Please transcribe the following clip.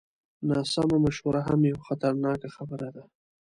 ناسمه مشوره هم یوه خطرناکه خبره ده.